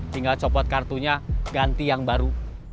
tinggal copot kartunya ganti yang baru